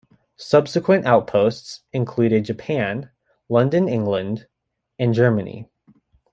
Subsequent outposts included Japan; London, England; and Germany.